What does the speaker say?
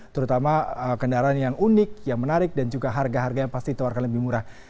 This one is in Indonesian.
terutama kendaraan yang unik yang menarik dan juga harga harga yang pasti ditawarkan lebih murah